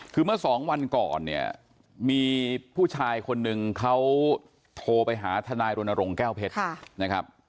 คือเมื่อสองวันก่อนเนี่ยมีผู้ชายคนหนึ่งเขาโทรไปหาทนายรณรงค์แก้วเพชรนะครับ